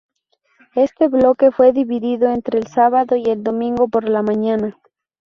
Este bloque fue dividido entre el sábado y el domingo por la mañana.